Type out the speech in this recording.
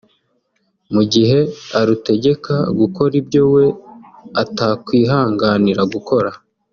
mu gihe arutegeka gukora ibyo we atakwihanganira gukora